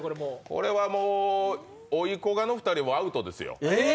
これはもう、おいこがの２人はアウトですよ。